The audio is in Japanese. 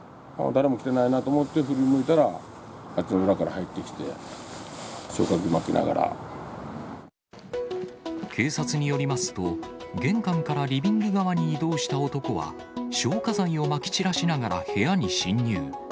誰も来てないなと思って振り向いたら、あっちの裏から入ってきて、警察によりますと、玄関からリビング側に移動した男は、消火剤をまき散らしながら部屋に侵入。